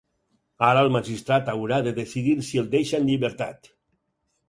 Ara el magistrat haurà de decidir si el deixa en llibertat.